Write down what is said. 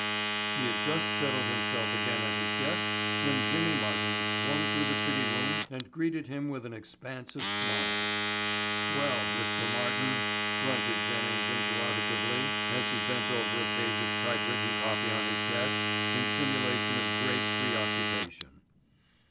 '" He had just settled himself again at his desk when Jimmy Martin swung through the city room and greeted him with an expansive smile. "Well, Mr. Martin?" grunted Jennings interrogatively as he bent over a page of typewritten copy on his desk in simulation of great pre occupation.